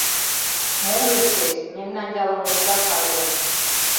Мом лектеш, мемнан ялым овда карген.